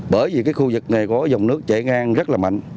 bởi vì cái khu vực này có dòng nước chảy ngang rất là mạnh